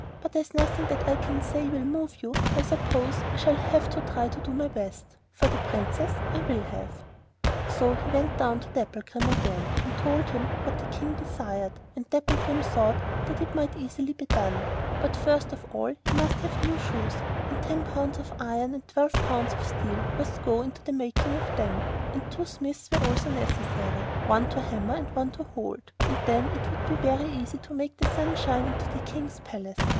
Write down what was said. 'But as nothing that I can say will move you, I suppose I shall have to try to do my best, for the Princess I will have.' So he went down to Dapplegrim again and told him what the King desired, and Dapplegrim thought that it might easily be done; but first of all he must have new shoes, and ten pounds of iron and twelve pounds of steel must go to the making of them, and two smiths were also necessary, one to hammer and one to hold, and then it would be very easy to make the sun shine into the King's palace.